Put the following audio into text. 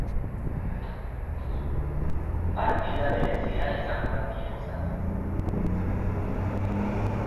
Partida berezia izango da bientzat.